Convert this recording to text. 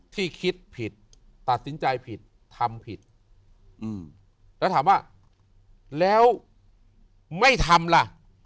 ที่คิดผิดตัดสินใจผิดทำผิดแล้วถามว่าแล้วไม่ทำล่ะ